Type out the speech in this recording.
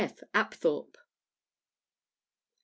F. Apthorp. L.